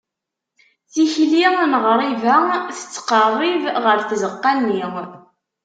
Tikli n ɣriba tettqerrib ɣer tzeqqa-nni.